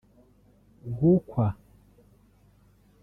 gukwa